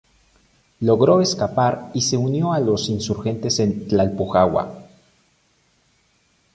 Logró escapar y se unió a los insurgentes en Tlalpujahua.